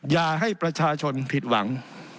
อย่าให้ประชาชนผิดหวัง